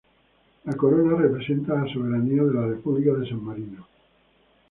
La corona representa la soberanía de la República de San Marino.